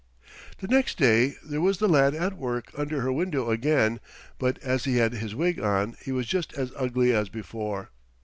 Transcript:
The next day there was the lad at work under her window again, but as he had his wig on he was just as ugly as before.